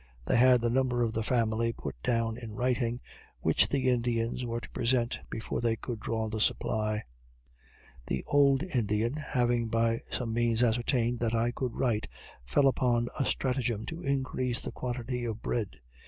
They had the number of the family put down in writing, which the Indians were to present before they could draw the supply. The old Indian, having by some means ascertained that I could write, fell upon a stratagem to increase the quantity of bread.